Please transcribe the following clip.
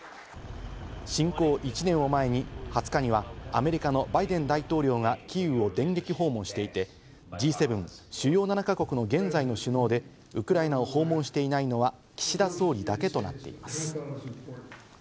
侵攻１年を前に２０日にはアメリカのバイデン大統領がキーウを電撃訪問していて、Ｇ７＝主要７か国の現在の首脳でウクライナを訪問していないのは岸田総理だけとなっています。